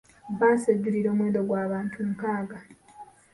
Bbaasi ejjulira omuwendo gw'abantu nkaaga.